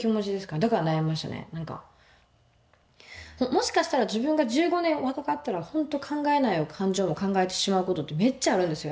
もしかしたら自分が１５年若かったら本当考えない感情も考えてしまうことってめっちゃあるんですよ。